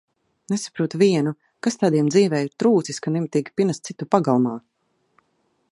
Nesaprotu vienu, kas tādiem dzīvē ir trūcis, ka nemitīgi pinas citu pagalmā?